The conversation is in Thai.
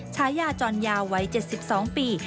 ชายาจอนยาวไว้๗๒ปี